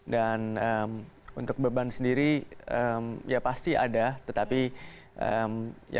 dan untuk beban sendiri ya pasti ada tetapi saya akan berusaha semaksimal mungkin untuk fokus dalam